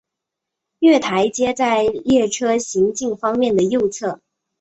月台皆在列车行进方面的右侧。